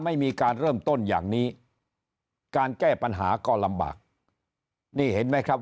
ไม่มีการเริ่มต้นอย่างนี้การแก้ปัญหาก็ลำบากนี่เห็นไหมครับ